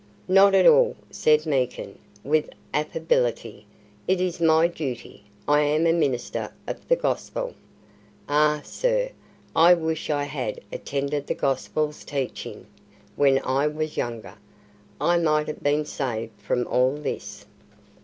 "Not at all," said Meekin, with affability; "it is my duty. I am a Minister of the Gospel." "Ah! sir, I wish I had attended to the Gospel's teachings when I was younger. I might have been saved from all this."